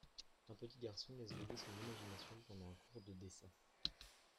Un petit garçon laisse voguer son imagination pendant un cours de dessin.